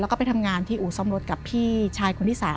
แล้วก็ไปทำงานที่อู่ซ่อมรถกับพี่ชายคนที่๓